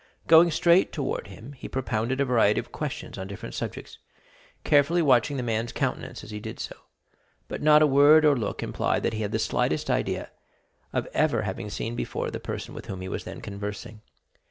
Going straight towards him, he propounded a variety of questions on different subjects, carefully watching the man's countenance as he did so; but not a word or look implied that he had the slightest idea of ever having seen before the person with whom he was then conversing.